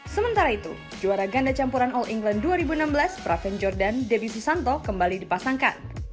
sementara itu juara ganda campuran all england dua ribu enam belas praven jordan debbie susanto kembali dipasangkan